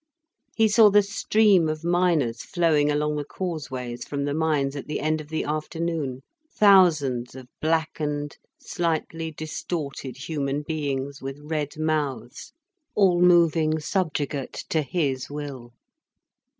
He saw the stream of miners flowing along the causeways from the mines at the end of the afternoon, thousands of blackened, slightly distorted human beings with red mouths, all moving subjugate to his will.